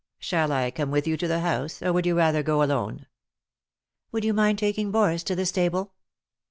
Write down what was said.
Shall I come with you to the house, or would you rather go alone 7 " "Would you mind taking Boris to the stable